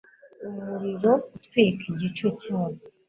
umuriro utwika igico cyabo